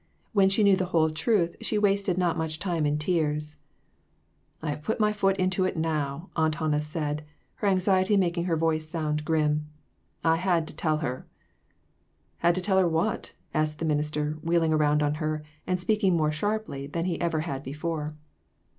When she knew the whole truth she wasted not much time in tears. "I've put my foot into it now," Aunt Hannah said, her anxiety making her voice sound grim. "I had to tell her." " Had to tell her what ?" asked the minister, wheeling around on her, and speaking more sharply than he ever had before.